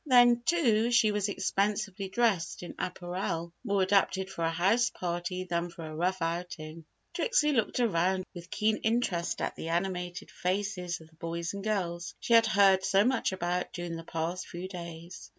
Then, too, she was expensively dressed in apparel more adapted for a house party than for a rough outing. Trixie looked around with keen interest at the animated faces of the boys and girls she had heard so much about during the past few days.